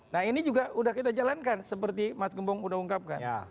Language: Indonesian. nah ini juga sudah kita jalankan seperti mas gembong sudah ungkapkan